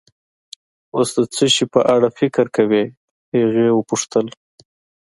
اوس د څه شي په اړه فکر کوې؟ هغې وپوښتل.